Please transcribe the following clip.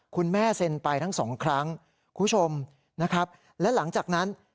คุณแม่เซ็นไปทั้งสองครั้งคุณผู้ชมนะครับและหลังจากนั้น